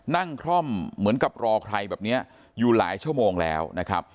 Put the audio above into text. คร่อมเหมือนกับรอใครแบบนี้อยู่หลายชั่วโมงแล้วนะครับ